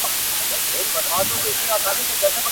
ده څومره ارزاني، ستا په لمن کي جانانه